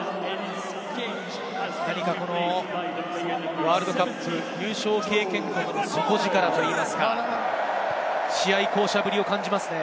ワールドカップ優勝経験国の底力といいますか、試合巧者ぶりを感じますね。